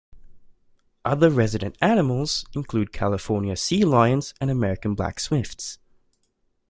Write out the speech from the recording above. Other resident animals include California sea lions and American black swifts.